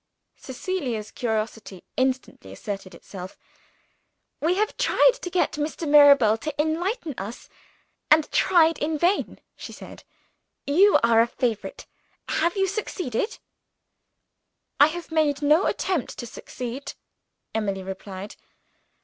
Cecilia's curiosity instantly asserted itself. "We have tried to get Mr. Mirabel to enlighten us, and tried in vain," she said. "You are a favorite. Have you succeeded?" "I have made no attempt to succeed," Emily replied.